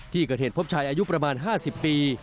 ที่เกิดเหตุพบชายอายุประมาณ๕๐ปี